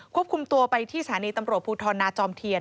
ควบคุมตัวไปที่สถานีตำรวจภูทรนาจอมเทียน